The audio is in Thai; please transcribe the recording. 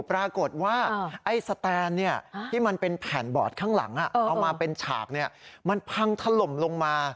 ปรากฏว่าไอ้สแตนที่มันเป็นแผ่นบอร์ดข้างหลังเอามาเป็นฉากมันพังถล่มลงมา